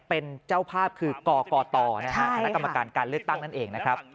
เป็นเจ้าภาพคือกกตนะฮะคณะกรรมการการเลือกตั้งนั่นเองนะครับ